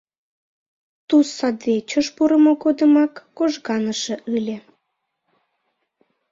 Туз садвечыш пурымо годымак кожганыше ыле.